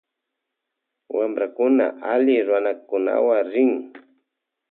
Wamprakuna alli runatawan rin.